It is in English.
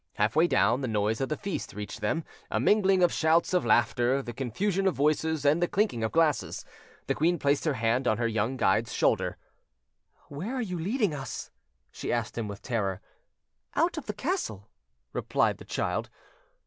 Half way down, the noise of the feast reached them, a mingling of shouts of laughter, the confusion of voices, and the clinking of glasses. The queen placed her hand on her young guide's shoulder. "Where are you leading us?" she asked him with terror. "Out of the castle," replied the child.